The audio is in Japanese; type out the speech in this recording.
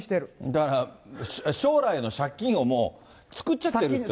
だから将来の借金をもう、作っちゃってると？